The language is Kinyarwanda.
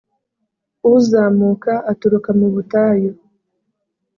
uzamuka aturuka mu butayu